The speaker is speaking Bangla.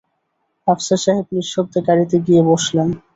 আফসার সাহেব নিঃশব্দে গাড়িতে গিয়েবসলেন।